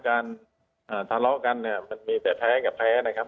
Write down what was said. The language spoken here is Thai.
การทะเลาะกันเนี่ยมันมีแต่แพ้กับแพ้นะครับ